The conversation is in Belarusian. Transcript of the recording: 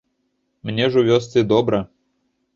Мне ж у вёсцы добра.